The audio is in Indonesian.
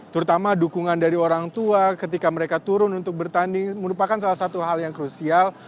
terutama dukungan dari orang tua ketika mereka turun untuk bertanding merupakan salah satu hal yang krusial